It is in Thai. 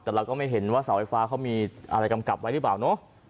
แต่เราก็ไม่เห็นว่าเสาไฟฟ้าเขามีอะไรกำกับไว้หรือเปล่าเนอะ